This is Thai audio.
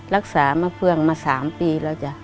รักษามะเฟืองมา๓ปีแล้วจ้ะ